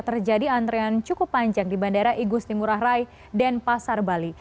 terjadi antrean cukup panjang di bandara igusti ngurah rai dan pasar bali